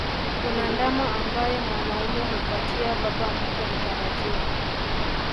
Kuna ndama ambaye mwanaume humpatia baba mkwe mtarajiwa